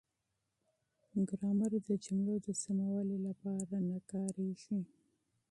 ګرامر د جملو د سموالي لپاره نه کاریږي.